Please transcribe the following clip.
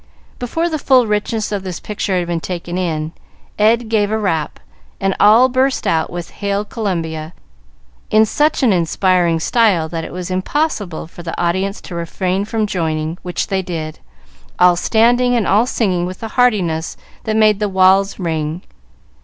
Before the full richness of this picture had been taken in, Ed gave a rap, and all burst out with "Hail Columbia," in such an inspiring style that it was impossible for the audience to refrain from joining, which they did, all standing and all singing with a heartiness that made the walls ring.